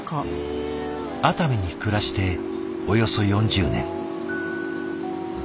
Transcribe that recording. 熱海に暮らしておよそ４０年。